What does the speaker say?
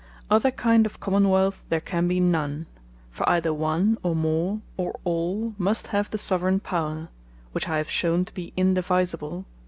Other kind of Common wealth there can be none: for either One, or More, or All must have the Soveraign Power (which I have shewn to be indivisible) entire.